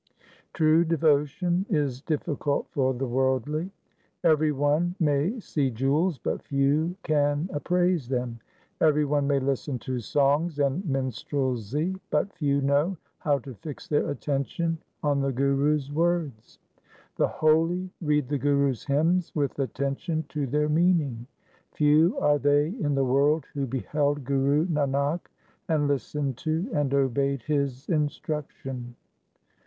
2 True devotion is difficult for the worldly :— Every one may see jewels, but few can appraise them. Every one may listen to songs and minstrelsy, but few know how to fix their attention on the Guru's words. 1 The holy read the Guru's hymns with attention to their meaning. 3 Few are they in the world who beheld Guru Nanak and listened to and obeyed his instruction.